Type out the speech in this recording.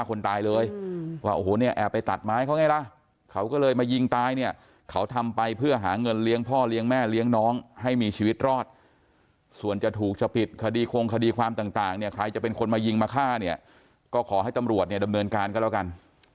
คนตายเลยว่าโอ้โหเนี่ยแอบไปตัดไม้เขาไงล่ะเขาก็เลยมายิงตายเนี่ยเขาทำไปเพื่อหาเงินเลี้ยงพ่อเลี้ยงแม่เลี้ยงน้องให้มีชีวิตรอดส่วนจะถูกจะผิดคดีคงคดีความต่างเนี่ยใครจะเป็นคนมายิงมาฆ่าเนี่ยก็ขอให้ตำรวจเนี่ยดำเนินการก็แล้วกัน